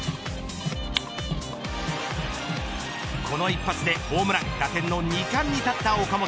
この一発でホームラン打点の２冠に立った岡本。